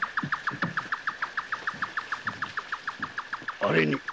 あれに。